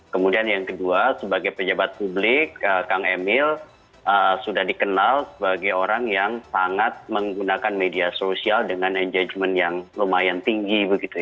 kemudian yang kedua sebagai pejabat publik kang emil sudah dikenal sebagai orang yang sangat menggunakan media sosial dengan engagement yang lumayan tinggi